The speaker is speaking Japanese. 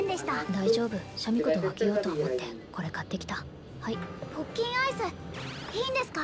大丈夫シャミ子と分けようと思ってこれ買ってきたはいポッキンアイスいいんですか？